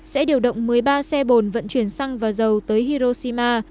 sẽ điều động một mươi ba xe bồn vận chuyển xăng và dầu tới hiroshima